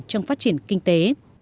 trong phát triển kinh tế